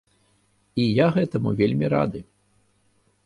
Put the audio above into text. І я гэтаму вельмі рады.